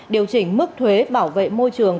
điều chỉnh mức thuế bảo vệ môi trường